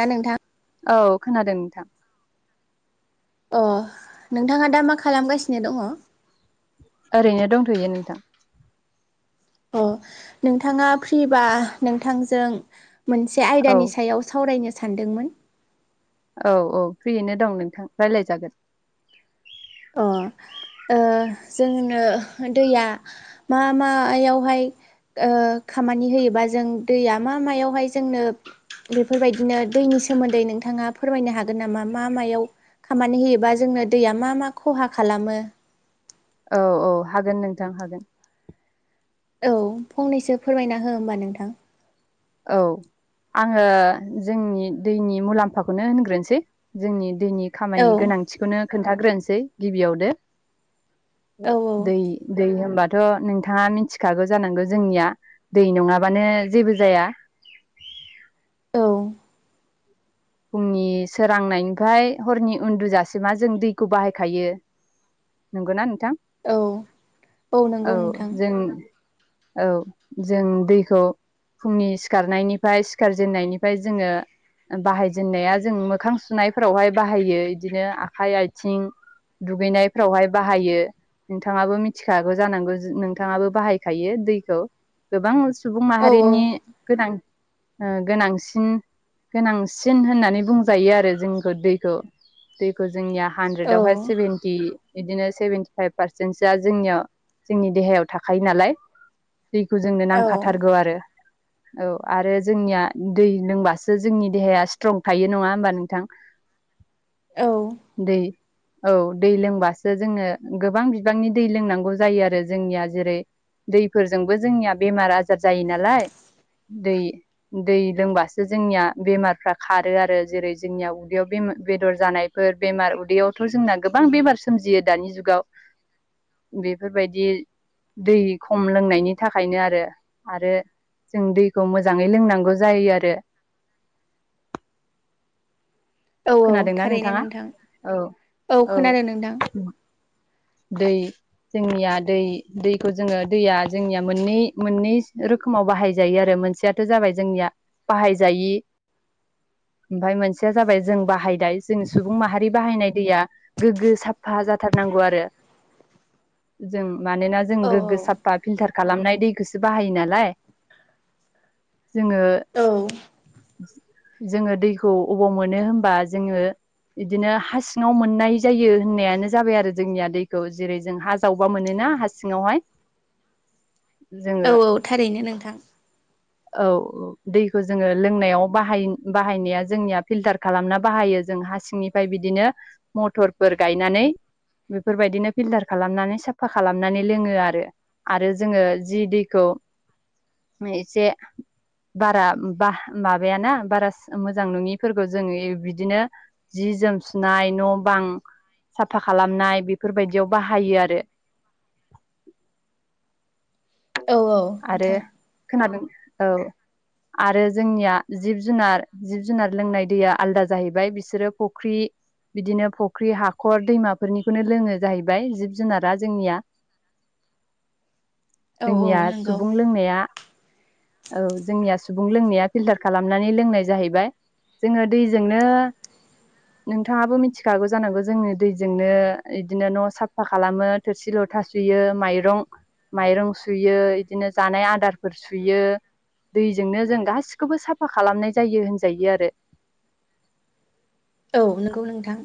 ना नोंथां औ खोनादों नोंथां अ नोंथाङा दा मा खालामगासिनो दङ'? ओरैनो दंथयो नोंथां। अ नोंथाङा फ्रिबा नोंथांजों मोनसे औ आयदानि सायाव सावरायनो सानदोंमोन औ औ फ्रियैनो दं नोंथां रायलाय जागोन अ ओ जोंनो दैया मा मायावहाय ओ खामानि होयोबा जों दैया मा मायावहाय जोंनो बेफोरबायदिनो दैनि सोमोन्दै नोंथाङा फोरमायनो हागोन नामा मा मायाव खामानि होयोबा जोंनो दैया मा मा खहा खालामो औ औ हागोन नोंथां हागोन। औ फंनैसो फोरमायना हो होमबा नोंथां औ आङो जोंनि दैनि मुलाम्फाखौनो होनग्रोनोसै जोंनि दैनि औ खामानि गोनांथिखौनो खोन्थाग्रोनोसै गिबियावनो औ दै दै होन बाथ' नोंथाङा मिथिखागौ जानांगौ जोंनिया दै नङाबानो जेबो जाया [unintelligible] फुंनि सोरांनायनिफ्राय हरनि उन्दुजासिमा जों दैखौ बाहायखायो नंगौना नोंथां? औ औ नंगौ नोंथां। औ जों दैखौ फुंनि सिखारनायनिफ्राय सिखारजेननायनिफ्राय जोङो बाहाय जेननाया जों मोखां सुनायफोरावहाय बाहायो इदिनो आखाइ आथिं दुगैनायफोरावहाय बाहायो नोंथाङाबो मिथिखागौ जानांगौ नोंथाङाबो बाहायखायो दैखौ गोबां सुबुं औ औ माहारिनि गोनां ओ गोनांसिन गोनां सिन होननानै बुंजायो आरो जोंखौ दैखौ दैखौ जोंनिया औ हानद्रेदावहाय सेभेनटि बिदिनो सेभेन्टिफाइभ पारसेन्टसोआ जोंनियाव जोंनि देहायाव थाखायो नालाय दैखौ जोंनो औ नांखाथारगौ आरो औ आरो जोंनिया दै लोंबासो जोंनि देहाया स्ट्रं थायो नङा होमबा नोंथां? औ दै औ दै लोंबासो जोङो गोबां बिबांनि दै लोंनांगौ जायो आरो जोंनिया जेरै दैफोरजोंबो जोंनिया बेमार आजार जायो नालाय दै दै लोंबासो जोंनिया बेमारफ्रा खारो आरो जेरै जोंनिया उदैयाव बेमार बेदर जानायफोर बेमार उदैयावथ जोंना गोबां बेमार सोमजियो दानि जुगाव बेफोरबायदि दै खम लोंनायनि थाखायनो आरो आरो जों दैखौ मोजाङै लोंनांगौ जायो आरो। औ खोनादोंना थारैनो नोंथाङा नोंथां औ औ खोनादों नोंथां दै जोंनिया दै दैखौ जोङो दैया जोंनिया मोननै मोननै रोखोमाव बाहायजायो आरो मोनसेयाथ जाबाय जोंनिया बाहायजायि ओमफाय मोनसेया जाबाय जों बाहायनाय जों सुबुं माहारि बाहायनाय दैया गोग्गो साफा जाथारनांगौ आरो जों मानोना जों औ गोग्गो साफा फिल्टार खालामनाय दैखौसो बाहायो नालाय जोङो औ जोङो दैखौ अबाव मोनो होनबा जोङो बिदिनो हा सिङाव मोननाय जायो होननायानो जाबाय आरो जोंनिया दैखौ जेरै जों हा जावबा मोनोना हा सिङावहाय औ जोङो औ थारैनो नोंथां औ दैखौ जोङो लोंनायाव बाहाय-बाहायनाया जोंनिया फिल्टार खालामना बाहायो जों हा सिंनिफ्राय बिदिनो मथरफोर गायनानै बेफोरबायदिनो फिल्टार खालामनानै साफा खालामनानै लोङो आरो। आरो जोङो जि दैखौ एसे बारा बा मा बायाना बारा मोजां नङिफोरखौ जोङो बिदिनो जि जोम सुनाय न बां साफा खालामनाय बेफोरबायदियाव बाहायो आरो। औ औ आरो नोंथां खोनादों औ आरो जोंनिया जिब जुनार जिब जुनार लोंनाय दैया आलदा जाहैबाय बिसोरो फख्रि बिदिनो फख्रि हाखर दैमाफोरनिखौनो लोङो जाहैबाय जिब जुनारा जोंनिया औ औ जोंनिया नंगौ सुबुं लोंनाया औ जोंनिया सुबुं लोंनाया फिल्टार खालामनानै लोंनाय जाहैबाय जोङो दैजोंनो नोंथाङाबो मिथिखागौ जानांगौ जोङो दैजोंनो बिदिनो न साफा खालामो थोरसि लथा सुयो माइरं माइरं सुयो। बिदिनो जानाय आदारफोर सुयो दैजोंनो जों गासिखौबो साफा खालामनाय जायो होनजायो आरो‌ औ नंगौ नोंथां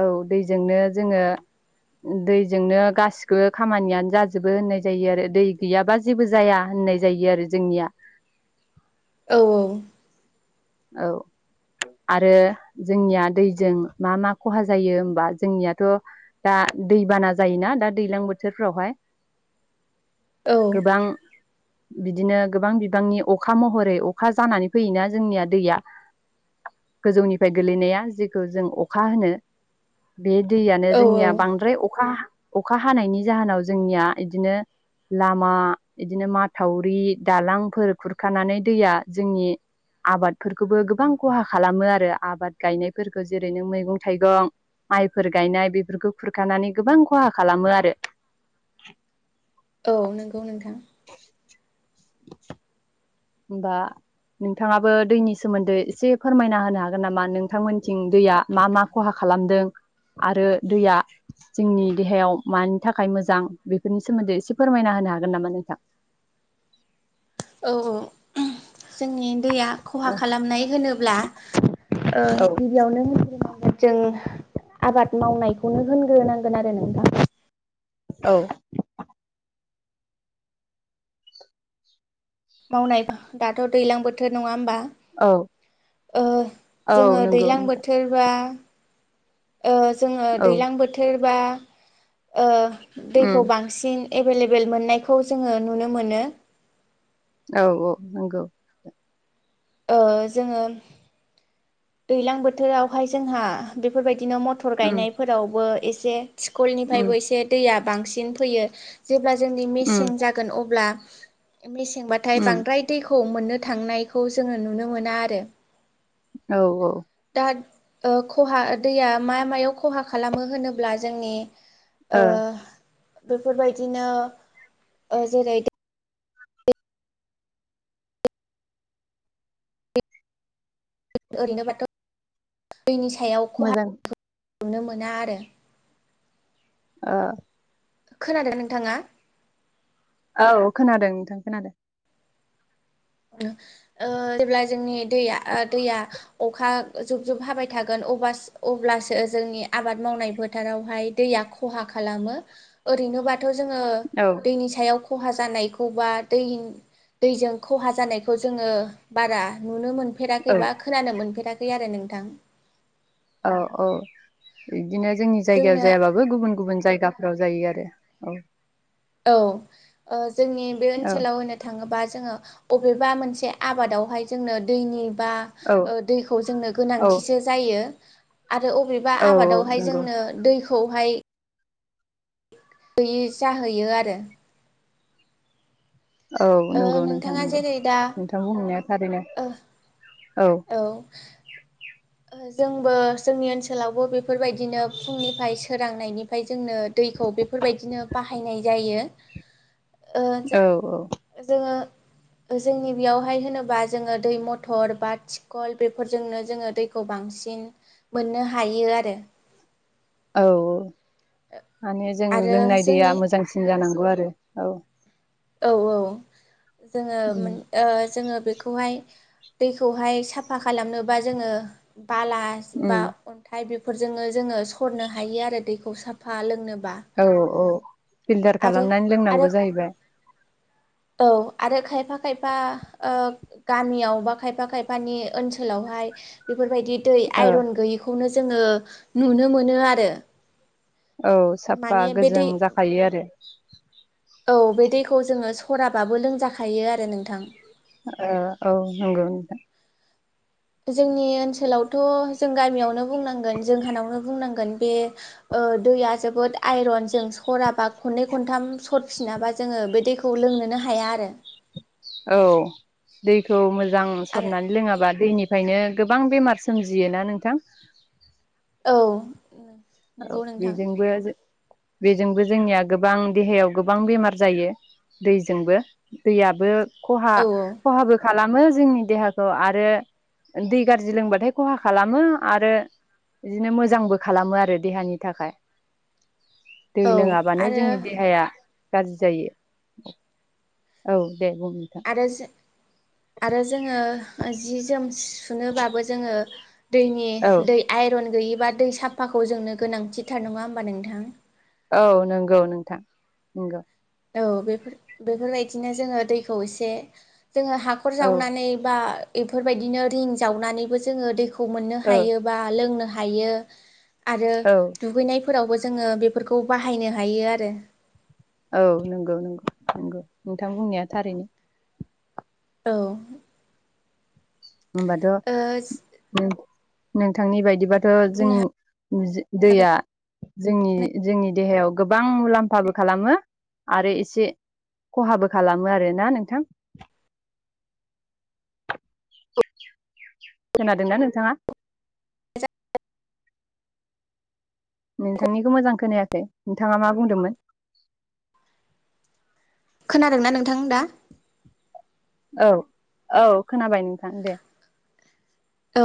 औ दैजोंनो जोङो दैजोंनो गासिबो खामानियानो जाजोबो होननाय जायो आरो दै गैयाबा जेबो जाया होननाय जायो आरो जोंनिया औ औ औ आरो जोंनिया दैजों मा मा खहा जायो होमबा जोंनियाथ दा दैबाना जायोना दा दैज्लां बोथोरफ्रावहाय औ गोबां बिदिनो गोबां बिबांनि अखा महरै अखा जानानै फैयोना जोंनिया दैया गोजौनिफ्राय गोलैनाया जेखौ जों अखा होनो बे दैयानो औ जोंनिया औ बांद्राय अखा अखा हानायनि जाहोनाव जोंनिया इदिनो लामा इदिनो माथावरि दालांफोर खुरखानानै दैया जोंनि आबाद फोरखोबो गोबां खहा खालामो आरो आबाद गायनायफोरखो जेरै नों मैगं थाइगं माइफोर गायनाय बेफोरखौ खुरखानानै गोबां खहा खालामो आरो। औ नोंगौ नोंथां होमबा नोंथाङाबो दैनि सोमोन्दै एसे फोरमायना होनो हागोन नामा नोंथांमोनथिं दैया मा मा खहा खालामदों आरो दैया जोंनि देहायाव मानि थाखाय मोजां बेफोरनि सोमोन्दै एसे फोरमायना होनो हागोन नामा नोंथां। औ औ जोंनि दैया खहा औ खालामनाय होनोब्ला गिबियावनो ओ होनग्रोनांगोन जों आबाद मावनायखौनो होनग्रोनांगोन आरो नोंथां। औ मावनाय दाथ' दैज्लां बोथोर नङा होमबा औ औ जोङो नंगौ दैज्लां नोंथां बोथोर बा जोङो औ दैज्लां बोथोर बा ओ दैखौ उम बांसिन एभेलेबेल मोननायखौ जोङो नुनो मोनो। औ औ नंगौ। ओ जोङो दैलां बोथोरावहाय जोंहा बेफोरबायदि बिदिनो मथर उम गायनायफोरावबो से उम स्कुलनिफ्रायबो एसे दैया बांसिन फैयो जेब्ला जोंनि उम मेसें जागोन अब्ला मेसें बाथाय उम बांद्राय दैखौ मोननो थांनायखौ जोङो नुनो मोन आरो औ औ दा खहा दैया मा मायाव खहा खालामो होनोब्ला जोंनि ओ बेफोरबायदिनो ओ जेरै ओरैनो बाथ' दैनि सायाव खहा मोजां जोबनो मोना आरो ओ खोनादों नोंथाङा औ खोनादों नोंथां खोनादों जेब्ला जोंनि दैया दैया अखा जुब जुब हाबाय थागोन अब्लासो जोंनि आबाद मावनाय फोथारावहाय दैया खहा खालामो ओरैनो बाथ' थ' जोङो औ दैनि सायाव खहा जानायखौ बा दै दैजों खहा जानायखौ जोङो बारा नुनो मोनो। औ नुफेराखै बा खोनानो मोनफेराखै फै आरो नोंथां। औ औ बिदिनो जोंनि जायगायाव जोंनो जायाबाबो गुबुन गुबुन जायगाफ्राव जायो आरो औ औ ओ। जोंनि बे औ ओनसोलाव होनो थाङोबा जोंहा बबेबा मोनसे आबादावहाय जोंनो दैनि बा औ ओ दैखौ जोंनो औ गोनांथिसो जायो। आरो अबेबा औ औ आबादावहाय नंगौ जोंनो दै खौहाय हैयि जाहैयो आरो। औ ओ नंगौ नोंथां नोंथाङा नंगौ जेरै दा नोंथां बुंनाया थारैनो। ओ औ। ओ जोंबो जोंनि ओनसोलावबो बेफोरबायदिनो फुंनिफ्राय सोरांनायनिफ्राय जोंनो दैखौ बेफोरबायदिनो बाहायनाय जायो। ओ जो औ जोङो ओ जोंनि बेयावहाय होनोबा जोङो दै मथर बा थिखल बेफोरजोंनो जोङो दै खौ बांसिन मोननो हायो आरो। औ। माने जों आरो लोंनाय दैया जोंनि मोजांसिन जानांगौ आरो औ। औ औ। जोङो उम मोन ओ जोङो बेखौहाय दैखौहाय साफा खालामनोबा जोङो बाला बा उम अन्थाइ बिफो फोरजोंनो जोङो सरनो हायो आरो दैखौ साफा लोंनो। औ औ फिल्टार खालामनानै आरो लोंनांगौ जाहैबाय। औ आरो खायफा खायफा ओ गामियाव बा खायफा खायफानि ओनसोलावहाय बेफोरबायदि दै ओ आइरन गैयैखौनो जोङो नुनो मोनो आरो। औ साफा माने बे गोजों दै जाखायो आरो। औ बे दैखौ जोङो सराबाबो लोंजाखायो आरो नोंथां। ओ औ नंगौ नोंथां। जोंनि ओनसोलावथ' जों गामियावनो बुंनांगोन जोंहानावनो बुंनांगोन। बे ओ दैया जोबोद आइरन जों सराबा खननै खनथाम सरफिनाबा जोङो बे दैखौ खौ लोंनोनो हाया आरो औ दैखौ मोजां मोजां आरो सरनानै लोङाबा दैनि ओंखायनो गोबां बेमार सोमजियोना नोंथां। औ। औ नंगौ नोंथां बिजोंबो जों बेजोंबो जोंनिया गोबां देहायाव गोबां बेमार जायो दैजोंबो दैयाबो खहा औ खहाबो खालाम मो जोंनि देहाखौ आरो दै गाज्रि लोंबाथाय खहा खालामो आरो बिदिनो मोजांबो खालामो आरो देहानि थाखाय दै औ लोङाबानो आरो जोंनि देहाया गाज्रि जायो औ दे बुं नोंथां आरो जो आरो जोङो जि जोम सु सुनोबाबो जोङो दैनि औ दै आइरन गैयिबा दै साफाखौ जोंनो गोनांथिथार नङा होमबा नोंथां? औ नंगौ नोंथां नंगौ। औ बेफोर बेफोरबायदिनो जोङो दैखौ एसे जोङो हाखर औ जावनानै बा बेफोरबायदिनो रिं जावनानैबो जोङो दैखौ खौ मोननो औ हायोबा लोंनो हायो। हायो आरो औ दुगैनाय फोरावबो जोङो बेफोरखौ बाहायनो हायो आरो। औ नंगौ नंगौ नंगौ नोंथां बुंनाया थारैनो। औ। होमबाथ' ओ नोंथांनि बायदि बिदिबाथ' बुंनो हागोन जोंनि दैया जोंनि जोंनि देहायाव गोबां मुलाम्फाबो खालामो आरो एसे खहाबो खालामो आरोना नोंथां। खोनादोंना नोंथाङा? नोंथांनिखौ मोजां खोनायाखै नोंथाङा मा बुंदोंमोन? खोनादोंना नोंथां दा? औ औ खोनाबाय नोंथां दे। औ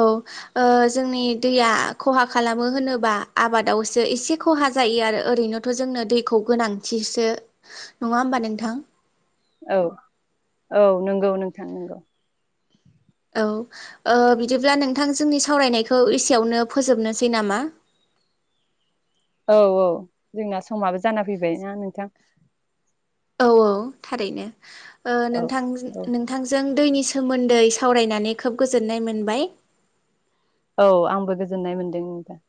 जोंनि दैया खहा खालामो होनोब्ला आबादावसो एसे खहा जायो आरो ओरैनोथ' जोंनो दैखौ गोनांथिसो नङा होमबा नोंथां औ औ नंगौ नोंथां नंगौ औ बिदिब्ला नोंथां जोंनि सावरायनायखौ एसेयावनो फोजोबनोसै नामा? औ औ जोंना समाबो जाना फैबाय ना नोंथां। औ औ थारैनो। ओ औ नोंथां औ नोंथांजों दैनि सोमोन्दै सावरायनानै खोब गोजोननाय मोनबाय। औ आंबो गोजोननाय मोनदों नोंथां।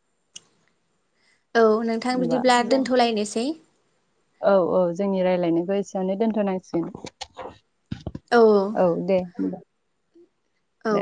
औ नोंथां होमबा बिदिब्ला दोनथ'लायनोसै। औ औ जोंनि रायलायनायखौ एसेयावनो दोनथ'नांसिगोन। औ दे होमबा। औ दे